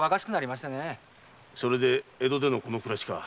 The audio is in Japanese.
それで江戸でのこの暮らしか。